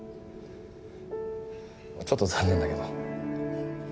ちょっと残念だけど。